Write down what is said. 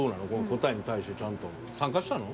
答えに対してちゃんと参加したの？